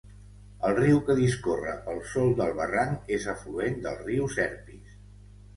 El riu que discorre pel sòl del barranc és afluent del Riu Serpis.